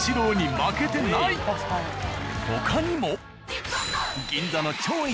他にも。